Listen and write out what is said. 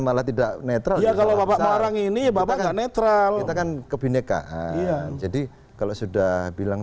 malah tidak netral ya kalau bapak marang ini bapak netral kita kan kebhinnekaan jadi kalau sudah bilang